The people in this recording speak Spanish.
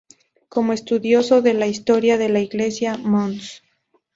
Como estudioso de la Historia de la Iglesia, Mons.